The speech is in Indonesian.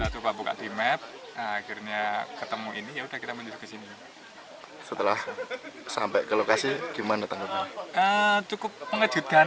selain keunikan cara pengiriman